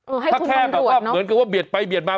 เออให้คุณคอนตรวจน่ะถ้าแค่แบบว่าเหมือนก็ว่าเปรียบไปเปรียบมา